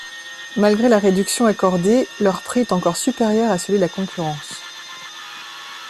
Malgré la réduction accordée, leur prix est encore supérieur à celui de la concurrence.